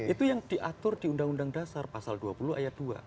itu yang diatur di undang undang dasar pasal dua puluh ayat dua